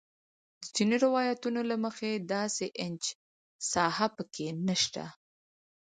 د ځینو روایتونو له مخې داسې انچ ساحه په کې نه شته.